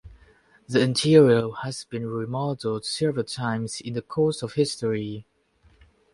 The interior has been remodeled several times in the course of history.